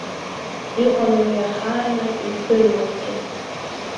Иҟан уи иахаанны издыруазгьы.